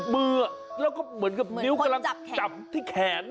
มือแล้วก็เหมือนกับนิ้วกำลังจับที่แขน